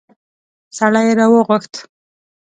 سړی يې راوغوښت.